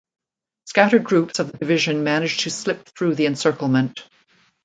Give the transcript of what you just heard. Scattered groups of the division managed to slip through the encirclement.